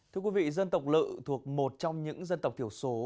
thưa quý vị dân tộc lự thuộc một trong những dân tộc thiểu số